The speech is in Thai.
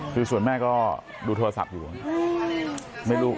คือส่วนแม่ก็ดูโทรศัพท์อยู่